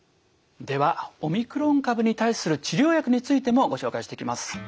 ではオミクロン株に対する治療薬についてもご紹介していきます。